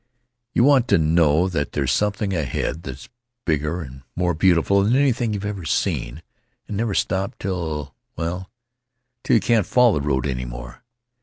You want to know that there's something ahead that's bigger and more beautiful than anything you've ever seen, and never stop till—well, till you can't follow the road any more.